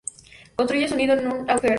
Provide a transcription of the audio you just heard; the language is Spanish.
Construye su nido en un agujero.